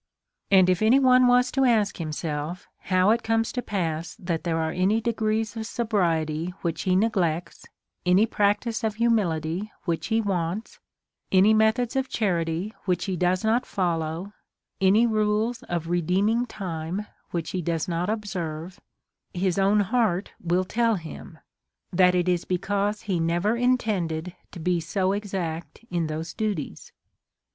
And if any one was to ask himself, how it cornes to pass that there are any degrees of sobriety which he neglects, any practice of humility which he wants, any methods of charity which he does not follow, any rules of redeeming time which he does not observe, his own heart will tell him, that it is because he never intend ed to be so exact in those duties.